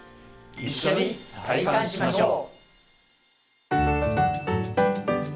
一緒に体感しましょう！